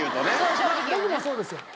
僕もそうですよ。